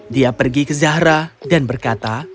dia pergi ke zahra dan berkata